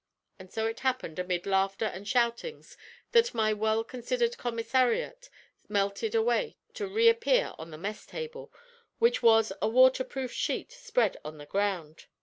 And so it happened amid laughter and shoutings that my well considered commissariat melted away to reappear on the mess table, which was a water proof sheet spread on the ground.